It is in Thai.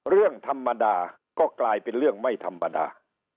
เรื่องธรรมดาก็กลายเป็นเรื่องไม่ธรรมดา